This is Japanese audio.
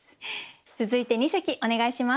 続いて二席お願いします。